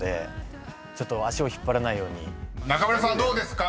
［中村さんどうですか？